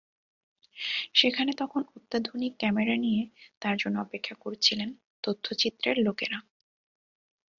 সেখানে তখন অত্যাধুনিক ক্যামেরা নিয়ে তাঁর জন্য অপেক্ষা করছিলেন তথ্যচিত্রের লোকেরা।